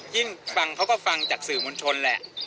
ฟังเขาก็ฟังจากสื่อมวลชนแหละ